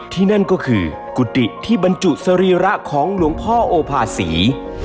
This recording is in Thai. นั่นก็คือกุฏิที่บรรจุสรีระของหลวงพ่อโอภาษี